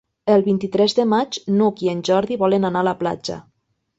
El vint-i-tres de maig n'Hug i en Jordi volen anar a la platja.